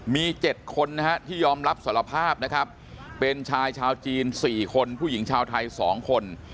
มี๗คนนะฮะที่ยอมรับสารภาพนะครับเป็นชายชาวจีน๔คนผู้หญิงชาวไทย๒คน